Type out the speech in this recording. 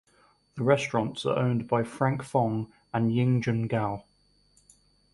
The restaurants are owned by Frank Fong and Ying Jun Gao.